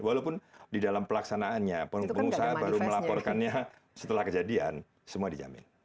walaupun di dalam pelaksanaannya pengusaha baru melaporkannya setelah kejadian semua dijamin